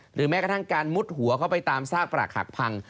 แม้กระทั่งการมุดหัวเข้าไปตามซากปรักหักพัง